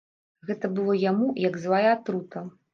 Гэта было яму, як злая атрута.